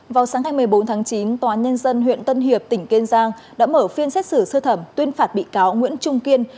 vào sáng ngày một mươi bốn tháng chín tòa nhân dân huyện tân hiệp tỉnh kiên giang đã mở phiên xét xử sơ thẩm tuyên phạt bị cáo nguyễn trung kiên